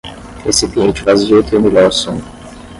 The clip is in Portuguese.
Recipiente vazio tem o melhor som.